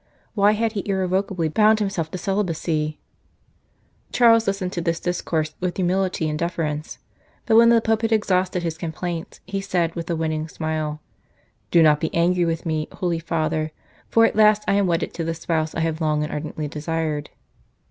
Why had he irrevocably bound himself to celibacy ? Charles listened to this discourse with humility and deference ; but when the Pope had exhausted his complaints, he said, with a winning smile :" Do not be angry with me, Holy Father, for at last I am wedded to the Spouse I have long and ardently desired."